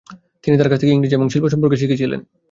তিনি তার কাছ থেকে ইংরেজি এবং শিল্প সম্পর্কে শিখেছিলেন।